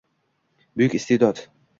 Buyuk iste’dod